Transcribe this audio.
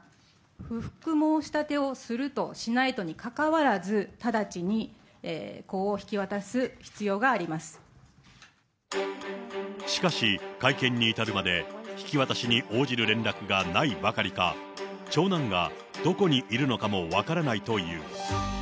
不服申し立てをするとしないとにかかわらず、直ちに子を引き渡すしかし、会見に至るまで引き渡しに応じる連絡がないばかりか、長男がどこにいるのかも分からないという。